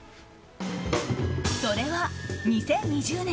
それは２０２０年